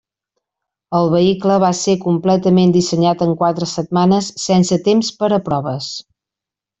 El vehicle va ser completament dissenyat en quatre setmanes, sense temps per a proves.